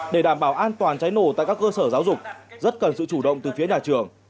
để đảm bảo an toàn cháy nổ tại các cơ sở giáo dục rất cần sự chủ động từ phía nhà trường